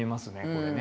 これね。